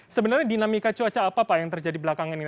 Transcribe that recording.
sebenarnya dinamika cuaca apa pak yang terjadi belakangan ini